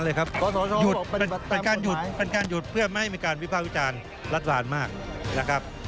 รัดหวานมากนะครับ